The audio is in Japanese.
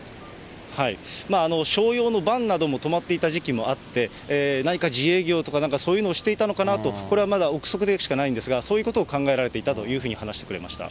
商用のバンなども止まっていた時期もあって、何か自営業とかそういうのをしていたのかなと、これはまだ臆測でしかないんですが、そういうことを考えられていたというふうに話してくれました。